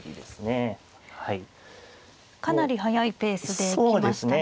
かなり速いペースで行きましたね。